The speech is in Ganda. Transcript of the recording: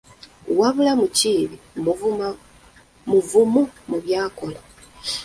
Wabula Mukiibi muvumu mu by’akola!